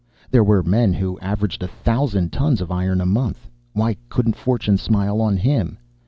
There were men who averaged a thousand tons of iron a month. Why couldn't fortune smile on him?